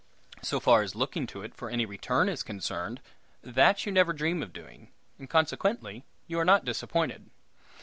So far as looking to it for any return is concerned, that you never dream of doing, and consequently you are not disappointed.